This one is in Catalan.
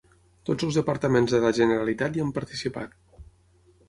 Tots els departaments de la Generalitat hi han participat.